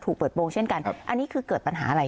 คุณประสิทธิ์ทราบรึเปล่าคะว่า